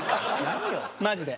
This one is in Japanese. マジで。